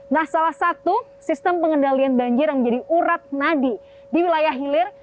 nah salah satu sistem pengendalian banjir yang menjadi urat nadi di wilayah hilir